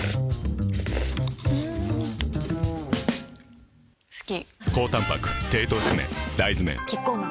ん好き！